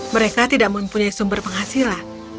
mereka tidak mempunyai sumber penghasilan